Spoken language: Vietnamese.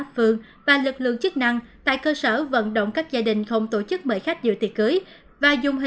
phường và lực lượng chức năng tại cơ sở vận động các gia đình không tổ chức mời khách